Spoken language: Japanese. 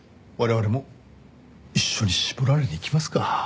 我々も一緒に絞られに行きますか。